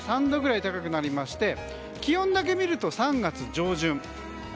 ３度ぐらい高くなりまして気温だけ見ると３月上旬。